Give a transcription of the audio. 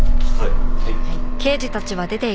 はい。